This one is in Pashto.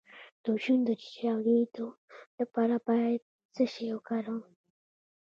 د شونډو د چاودیدو لپاره باید څه شی وکاروم؟